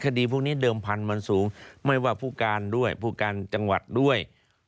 คดีพวกนี้เดิมพันธุ์มันสูงไม่ว่าผู้การด้วยผู้การจังหวัดด้วย